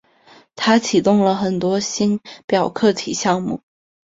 他启动了很多星表课题项目。